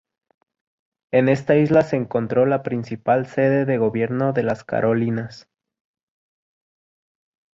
En esta isla se encontró la principal sede de gobierno de las Carolinas.